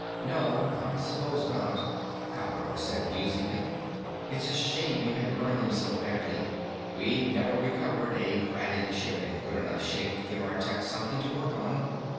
"No, I suppose not," the Commodore said musingly. "It's a shame you had to burn them so badly. We've never recovered a Kraden ship in good enough shape to give our techs something to work on.